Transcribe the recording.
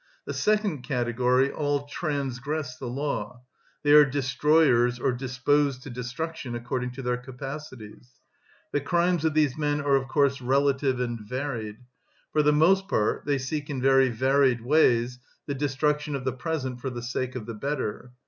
The second category all transgress the law; they are destroyers or disposed to destruction according to their capacities. The crimes of these men are of course relative and varied; for the most part they seek in very varied ways the destruction of the present for the sake of the better.